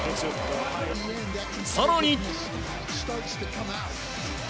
更に。